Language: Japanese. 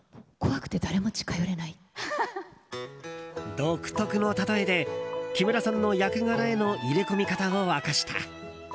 独特のたとえで、木村さんの役柄への入れ込み方を明かした。